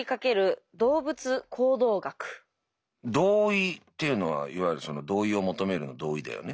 「同意」というのはいわゆる「同意を求める」の同意だよね？